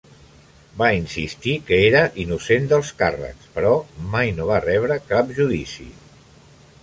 Va insistir que era innocent dels càrrecs, però mai no va rebre cap judici.